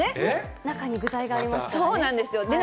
中に具材がありますからね。